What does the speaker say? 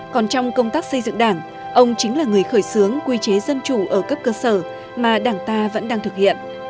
còn trong công tác xây dựng đảng ông chính là người khởi xướng quy chế dân chủ ở cấp cơ sở mà đảng ta vẫn đang thực hiện